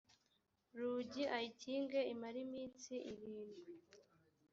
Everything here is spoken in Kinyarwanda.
rugi ayikinge imare iminsi irindwi